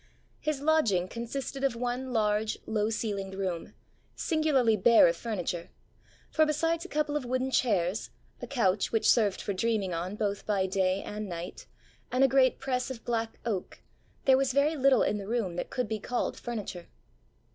His lodging consisted of one large low ceiled room, singularly bare of furniture; for besides a couple of wooden chairs, a couch which served for dreaming on both by day and night, and a great press of black oak, there was very little in the room that could be called furniture.